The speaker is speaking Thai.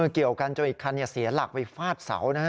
เกี่ยวกันจนอีกคันเสียหลักไปฟาดเสานะฮะ